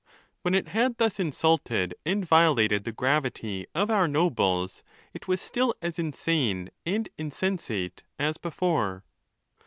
When it had thus insulted and violated the gravity of our nobles, it was still as insane and insensate as before.